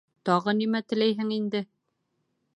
— Тағы нимә теләйһең инде.